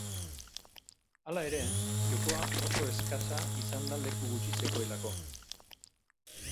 Hala ere, jokoa oso eskasa izan da leku gutxi zegoelako.